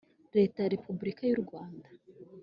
leta ya repubulika yu rwanda